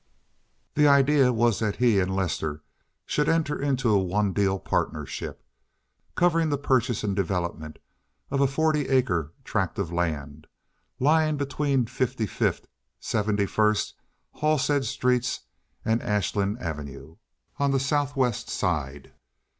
The idea was that he and Lester should enter into a one deal partnership, covering the purchase and development of a forty acre tract of land lying between Fifty fifth, Seventy first, Halstead streets, and Ashland Avenue, on the southwest side.